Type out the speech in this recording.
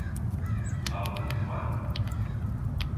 Sabıkası var mı?